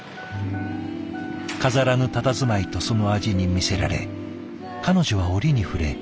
飾らぬたたずまいとその味に魅せられ彼女は折に触れ